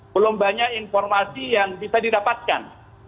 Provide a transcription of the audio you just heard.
belum banyak informasi yang bisa didapatkan